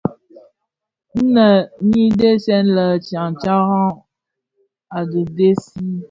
Nnë nyi dhesen le tyantyaran a dhi tèèzi.